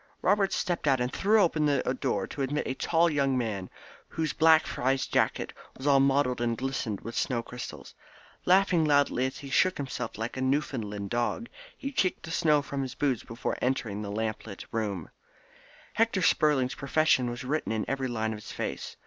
Robert stepped out and threw open the door to admit a tall young man, whose black frieze jacket was all mottled and glistening with snow crystals. Laughing loudly he shook himself like a Newfoundland dog, and kicked the snow from his boots before entering the little lamplit room. Hector Spurling's profession was written in every line of his face.